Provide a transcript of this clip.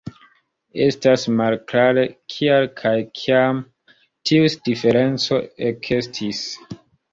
Estas malklare, kial kaj kiam tiu diferenco ekestis.